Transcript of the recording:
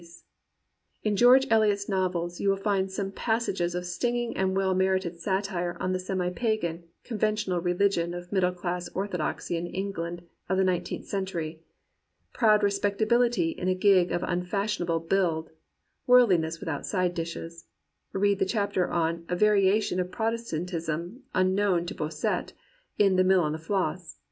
157 COMPANIONABLE BOOKS In George Eliot's novels you will find some pas sages of stinging and well merited satire on the semi pagan, conventional religion of middle class orthodoxy in England of the nineteenth century — "proud respectability in a gig of unfashionable build; worldliness without side dishes" — read the chapter on "A Variation of Protestantism Un known to Bossuet," in The Mill on the Floss.